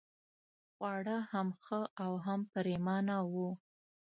خواړه هم ښه او هم پرېمانه وو.